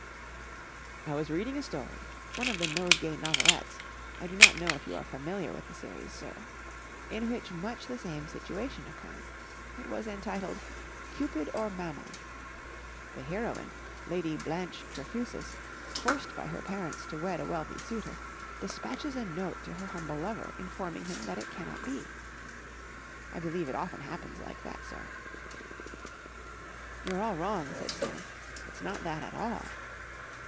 "I was reading a story—one of the Nosegay Novelettes; I do not know if you are familiar with the series, sir?—in which much the same situation occurred. It was entitled 'Cupid or Mammon.' The heroine, Lady Blanche Trefusis, forced by her parents to wed a wealthy suitor, despatches a note to her humble lover, informing him it cannot be. I believe it often happens like that, sir." "You're all wrong," said Sam. "It's not that at all."